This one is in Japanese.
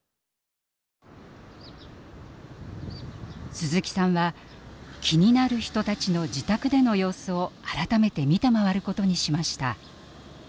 鈴木さんは気になる人たちの自宅での様子を改めて見て回ることにしました。